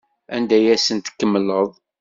Anda ay asent-tkemmleḍ?